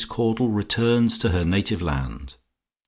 CAUDLE RETURNS TO HER NATIVE LAND.